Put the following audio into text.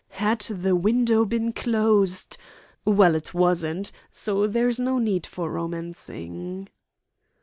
Had the window been closed well, it wasn't, so there is no need for romancing."